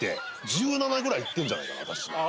１７ぐらいいってんじゃないかな。